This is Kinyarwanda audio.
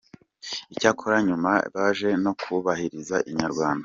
Icyakora nyuma baje no kubihamiriza Inyarwanda.